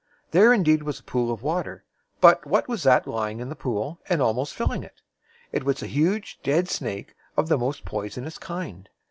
There indeed was a pool of water; but what was that lying in the pool, and almost filling it? It was a huge, dead snake of the most poi son ous kind.